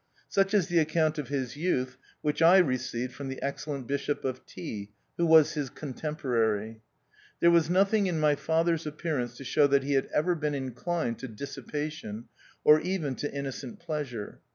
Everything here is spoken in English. Such is the account of his youth, which I received from the excel lent Bishop of T , who was his cok temporary. There was nothing in my father's appearance to show that he had ever been inclined to dissipation, or even to innocent pleasure.